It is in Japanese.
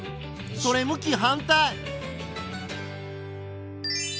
それ向き反対。